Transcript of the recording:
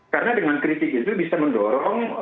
karena dengan kritik itu bisa mendorong